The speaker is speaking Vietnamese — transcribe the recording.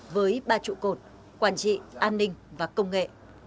với ba trụ cột quản trị an ninh và công nghệ